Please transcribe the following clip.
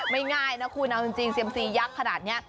ง่ายนะคุณเอาจริงเซียมซียักษ์ขนาดนี้